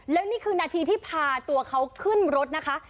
แล้วนี่คือนาทีที่พาตัวเขาขึ้นรถนะคะ